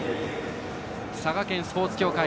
佐賀県スポーツ協会。